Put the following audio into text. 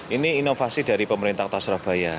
ini inovasi dari pemerintah kota surabaya